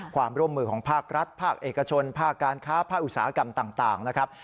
ความร่วมมือของภาครัฐภาคเอกชนภาคการค้าภาคอุตสาหกรรมต่างนะครับ